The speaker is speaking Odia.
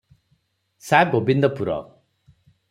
ସା-ଗୋବିନ୍ଦପୁର ।